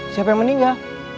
siapa yang meninggal